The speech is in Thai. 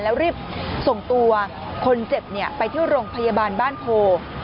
แล้วรีบส่งตัวคนเจ็บไปที่โรงพยาบาลบ้านโพ